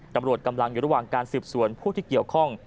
ตำรวจกำลังอยู่ระหว่างการสืบสวนผู้ที่เกี่ยวข้อง